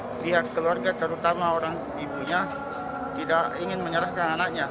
dan pihak keluarga terutama orang ibunya tidak ingin menyerahkan anaknya